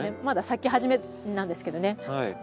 まだ咲き始めなんですけどね。